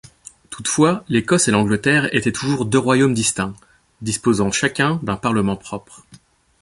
Toutefois, l'Écosse et l'Angleterre étaient toujours deux royaumes distincts, disposant chacun d'un parlement propre.